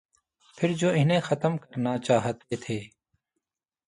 پھر جو انہیں ختم کرنا چاہتے تھے۔